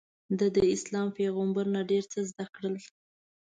ده داسلام پیغمبر نه ډېر څه زده کړل.